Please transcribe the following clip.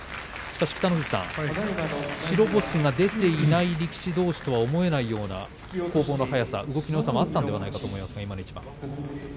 北の富士さん、白星が出ていない力士どうしとは思えないような攻防の速さ、動きのよさもあったんじゃないかと思います。